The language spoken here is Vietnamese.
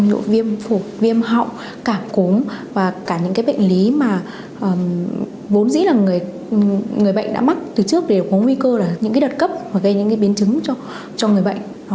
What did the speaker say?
như viêm phục viêm họng cảm cống và cả những bệnh lý vốn dĩ là người bệnh đã mắc từ trước đều có nguy cơ là những đợt cấp gây những biến chứng cho người bệnh